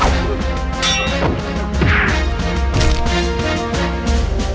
aduh aduh aduh aduh